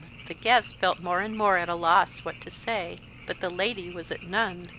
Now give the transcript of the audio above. The guests felt more and more at a loss what to say; but the lady, was at none.